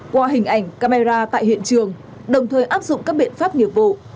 qua hình ảnh camera tại hiện trường đồng thời áp dụng các biện pháp nghiệp vụ